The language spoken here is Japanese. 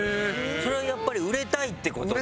それはやっぱり売れたいって事で？